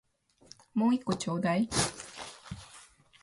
もう一個ちょうだい